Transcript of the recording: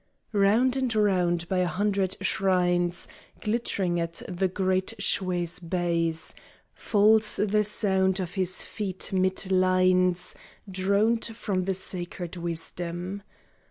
Round and round by a hundred shrines Glittering at the great Shwe's base Falls the sound of his feet mid lines Droned from the sacred Wisdom.